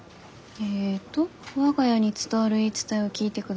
えっと「我が家に伝わる言い伝えを聞いてください！